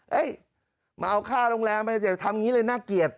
เฮ้ยมาเอาค่าโรงแรมทำงี้เลยน่าเกลียด